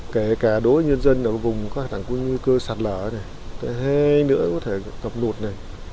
kể cả đối với nhân dân ở vùng có hạ thẳng quân như cơ sạt lở này hay nữa có thể tập lụt này